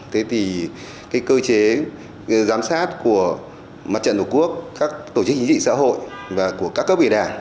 thế thì cái cơ chế giám sát của mặt trận tổ quốc các tổ chức chính trị xã hội và của các cấp ủy đảng